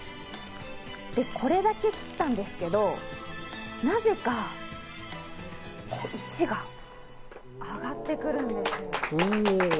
で、これだけ切ったんですけど、なぜか、位置が上がってくるんです。